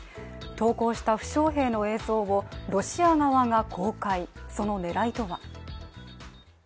投降した負傷兵の映像をロシア側が公開、その狙いとは。